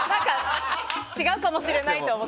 違うかもしれないって思って。